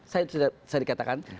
saya sudah saya dikatakan